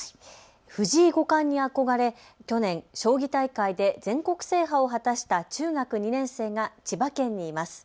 藤井五冠に憧れ、去年、将棋大会で全国制覇を果たした中学２年生が千葉県にいます。